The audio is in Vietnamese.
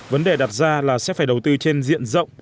vấn đề đặt ra là sẽ phải đầu tư trên diện rộng